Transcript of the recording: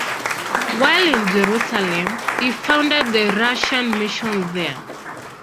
While in Jerusalem, he founded the Russian Mission there.